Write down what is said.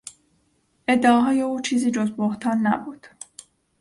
ادعاهای او چیزی جز بهتان نبود.